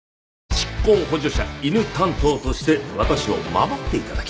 執行補助者犬担当として私を守って頂きたい。